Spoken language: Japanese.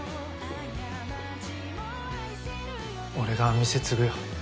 俺が店継ぐよ。